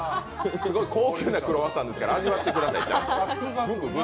すごい高級なクロワッサンですから、ちゃんと味わってください。